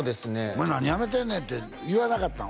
お前何やめてんねんって言わなかったん？